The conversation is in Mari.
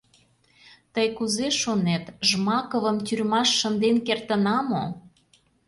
— Тый кузе шонет, Жмаковым тюрьмаш шынден кертына мо?